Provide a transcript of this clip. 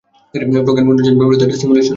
প্রোগ্রামের উন্নয়নের জন্য ব্যবহৃত একটা সিমুলেশন।